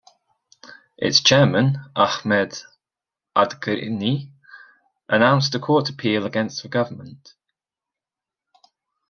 Its chairman, Ahmed Adghirni, announced a court appeal against the government.